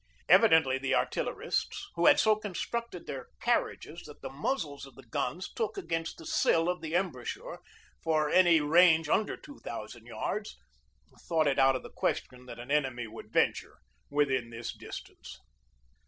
Evidently the artillerists, who had so constructed their carriages that the muzzles of the guns took against the sill of the embrasure for any range under two thousand yards, thought it out of the question that an enemy would venture within this distance.